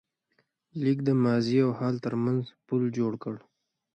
لیک د ماضي او حال تر منځ پُل جوړ کړ.